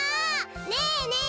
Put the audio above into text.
ねえねえ